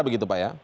begitu pak ya